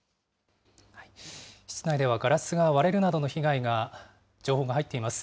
室内ではガラスが割れるなどの被害が、情報が入っています。